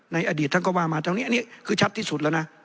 อดีตท่านก็ว่ามาตรงนี้อันนี้คือชัดที่สุดแล้วนะ